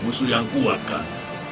musuh yang kuat kan